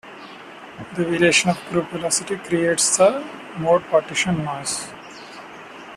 The variation of group velocity creates the mode partition noise.